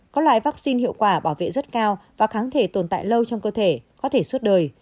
có loại vaccine hiệu quả bảo vệ rất cao và kháng thể tồn tại lâu trong cơ thể có thể suốt đời